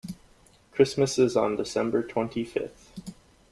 Christmas is on December twenty-fifth.